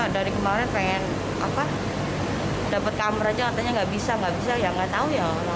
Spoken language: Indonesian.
dari kemarin pengen dapat kamar aja katanya nggak bisa nggak bisa ya nggak tahu ya